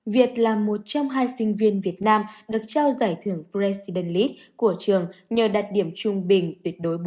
việt là một trong hai sinh viên việt nam được trao giải thưởng president s list của trường nhờ đạt điểm trung bình tuyệt đối bốn